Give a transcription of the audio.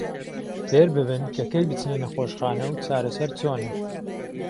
فێرببن کە کەی بچنە نەخۆشخانە و چارەسەر چۆنە.